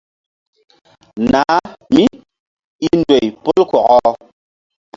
Nah míi ndoy pol kɔkɔ.